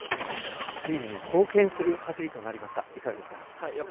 チームに貢献する走りとなりましたが、いかがですか？